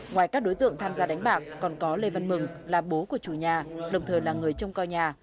ngoài các đối tượng tham gia đánh bạc còn có lê văn mừng là bố của chủ nhà đồng thời là người trông coi nhà